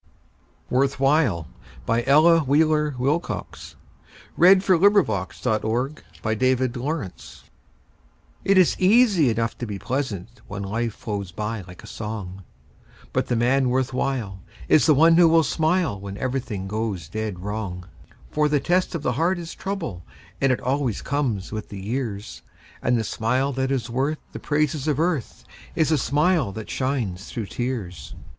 ster projects: Wikidata item. 122040Poems of Cheer — Worth while1914Ella Wheeler Wilcox It is easy enough to be pleasant When life flows by like a song, But the man worth while is the one who will smile When everything goes dead wrong. For the test of the heart is trouble, And it always comes with the years, And the smile that is worth the praises of earth Is the smile that shines through tears.